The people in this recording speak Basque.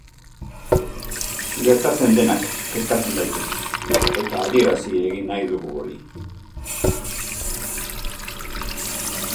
Gertatzen denak kezkatzen gaitu, eta adierazi egin nahi dugu hori.